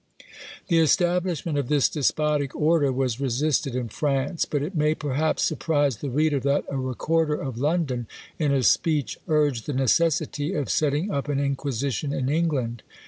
The establishment of this despotic order was resisted in France; but it may perhaps surprise the reader that a recorder of London, in a speech, urged the necessity of setting up an Inquisition in England!